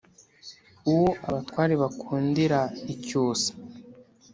Uwo abatware bakundira icyusa,